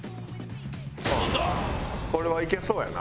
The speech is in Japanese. これはいけそうやな。